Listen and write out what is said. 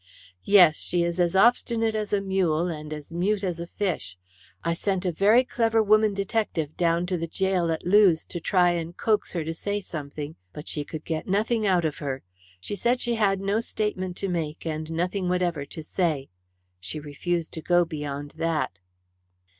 "Yes. She is as obstinate as a mule and as mute as a fish. I sent a very clever woman detective down to the gaol at Lewes to try and coax her to say something, but she could get nothing out of her. She said she had no statement to make, and nothing whatever to say. She refused to go beyond that."